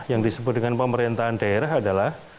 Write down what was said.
yang disebut dengan pemerintahan daerah adalah